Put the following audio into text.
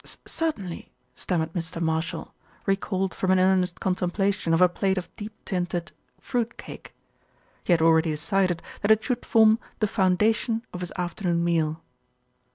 "Er er certainly," stammered Mr. Marshall, re called from an earnest contemplation of a plate of deep tinted fruit cake. He had already decided that it should form the foundation of his afternoon meal.